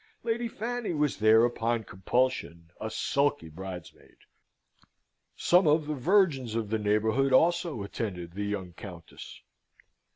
Lady Fanny was there upon compulsion, a sulky bridesmaid. Some of the virgins of the neighbourhood also attended the young Countess.